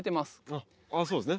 ああそうですね。